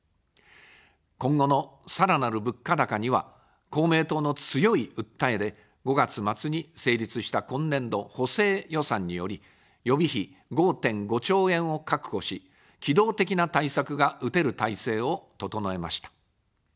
今後のさらなる物価高には公明党の強い訴えで、５月末に成立した今年度補正予算により、予備費５．５兆円を確保し、機動的な対策が打てる体制を整えました。